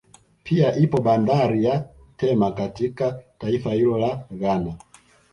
Pia ipo bandari ya Tema katika taifa hilo la Ghana